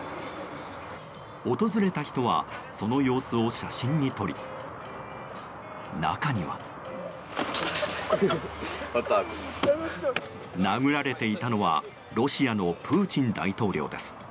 訪れた人はその様子を写真に撮り中には。殴られていたのはロシアのプーチン大統領です。